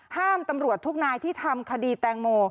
ตำรวจทุกนายที่ทำคดีแตงโม